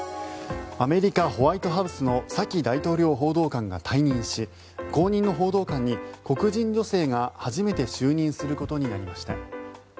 アメリカ・ホワイトハウスのサキ大統領報道官が退任し後任の報道官に黒人女性が初めて就任することになりました。